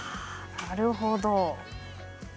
なるほど。